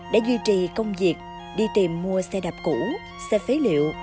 đã duy trì công việc đi tìm mua xe đạp cũ xe phế liệu